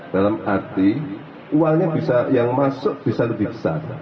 dalam arti uangnya bisa yang masuk bisa lebih besar